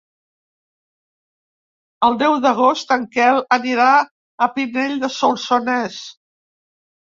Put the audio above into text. El deu d'agost en Quel anirà a Pinell de Solsonès.